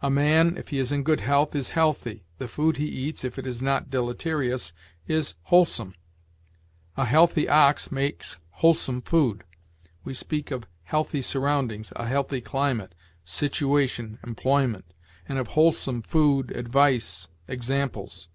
A man, if he is in good health, is healthy; the food he eats, if it is not deleterious, is wholesome. A healthy ox makes wholesome food. We speak of healthy surroundings, a healthy climate, situation, employment, and of wholesome food, advice, examples.